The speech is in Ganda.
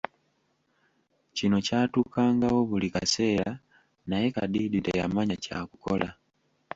Kino kyatukangawo buli kaseera naye Kadiidi teyamanya kyakukola.